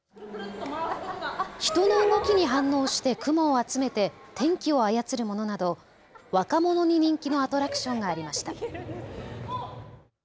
人の動きに反応して雲を集めて天気を操るものなど若者に人気のアトラクションがありました。